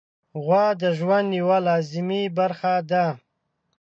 غوا د ژوند یوه لازمي برخه ده.